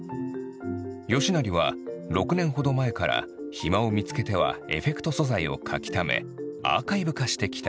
吉成は６年ほど前から暇を見つけてはエフェクト素材を描きためアーカイブ化してきた。